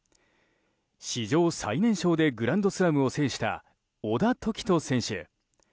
史上最年少でグランドスラムを制した、小田凱人選手。